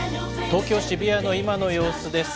東京・渋谷の今の様子です。